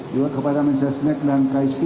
juga kepada mensesnek dan ksp